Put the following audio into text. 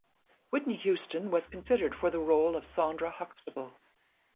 Whitney Houston was considered for the role of Sondra Huxtable.